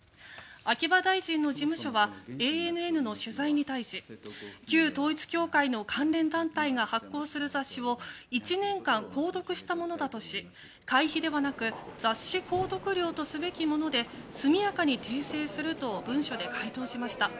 秋葉大臣の事務所はＡＮＮの取材に対し旧統一教会の関連団体が発行する雑誌を１年間、講読したものだとし会費ではなく雑誌購読料とすべきもので速やかに訂正すると文書で回答しました。